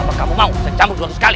apa kamu mau saya cambung dua sekali